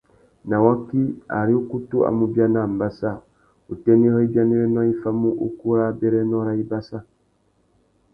Nà waki, ari ukutu a mú biana ambassa, utênê râ ibianéwénô i famú ukú râ abérénô râ ibassa.